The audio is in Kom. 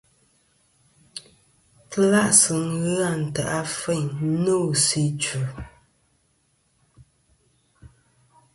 Telàsɨ ghɨ a ntè' afeyn nô sɨ idvɨ̀.